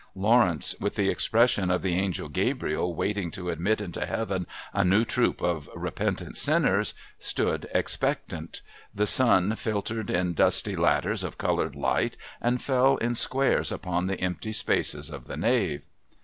Lawrence, with the expression of the Angel Gabriel waiting to admit into heaven a new troop of repentant sinners, stood expectant. The sun filtered in dusty ladders of coloured light and fell in squares upon the empty spaces of the nave.